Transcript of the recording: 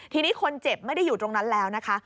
ทีนี้คนเจ็บไม่ได้อยู่ตรงนั้นแล้วนะคะ